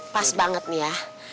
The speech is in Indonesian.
pas banget nih ya